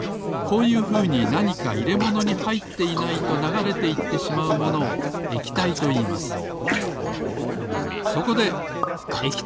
こういうふうになにかいれものにはいっていないとながれていってしまうものを液体といいます。